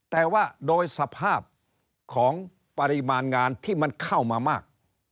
แต่ว่าโดยสภาพของปริมาณงานที่มันเข้ามามาก